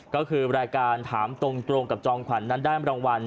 ก็คือรายการถามตรงกับจอมขวัญนั้นได้รางวัล